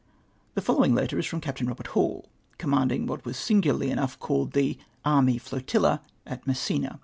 The following letter is Itoiii Captain Eobert Hall, C(jmnianding what was smo ularlv enouii h called the ^^ army jlotUla'" at Messina.